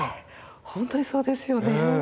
ほんとにそうですよね。